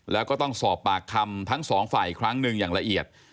แล้วก็ต้องสอบปากคำทั้งสองฝ่ายครั้งหนึ่งอย่างละเอียด